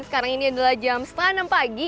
sekarang ini adalah jam setengah enam pagi